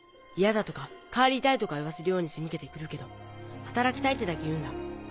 イヤだとか帰りたいとか言わせるように仕向けて来るけど働きたいってだけ言うんだ。